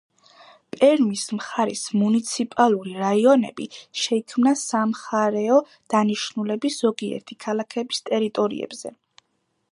პერმის მხარის მუნიციპალური რაიონები შეიქმნა სამხარეო დანიშნულების ზოგიერთი ქალაქების ტერიტორიებზე.